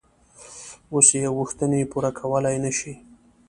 اوس یې غوښتنې پوره کولای نه شي.